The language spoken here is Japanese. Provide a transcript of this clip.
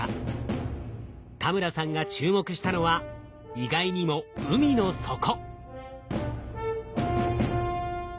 田村さんが注目したのは意外にも海の底。